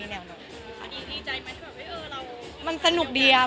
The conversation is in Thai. ดีใจมั้ยรู้สึกว่าว่าเรา